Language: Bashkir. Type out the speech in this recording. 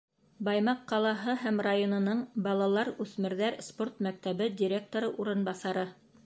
Баймаҡ ҡалаһы һәм районының балалар, үҫмерҙәр спорт мәктәбе директоры урынбаҫары: